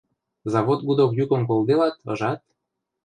— Завод гудок юкым колделат, ыжат?